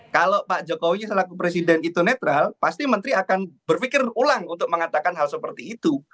kalau pak jokowi selaku presiden itu netral pasti menteri akan berpikir ulang untuk mengatakan hal seperti itu